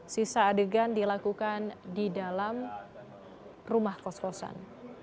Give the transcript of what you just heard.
sisa adegan dilakukan di dalam rumah kos kosan